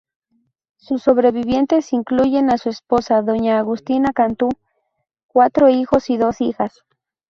Sus sobrevivientes incluyen a su esposa, doña Agustina Cantú, cuatro hijos y dos hijas.